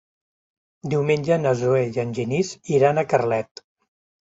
Diumenge na Zoè i en Genís iran a Carlet.